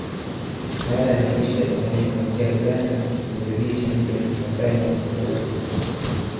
Baada ya majeshi ya Tanzania kuingia Uganda na kuudhibiti mji wa mpakani wa Mtukula